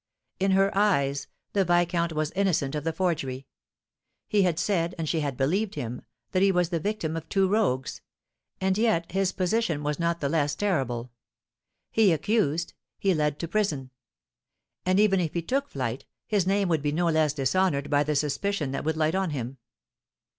In her eyes, the viscount was innocent of the forgery. He had said, and she had believed him, that he was the victim of two rogues; but yet his position was not the less terrible. He accused! He led to prison! And, even if he took flight, his name would be no less dishonoured by the suspicion that would light on him.